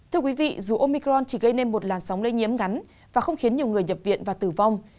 thưa quý vị dù omicron chỉ gây nên một làn sóng lây nhiễm ngắn và không khiến nhiều người nhập viện và tử vong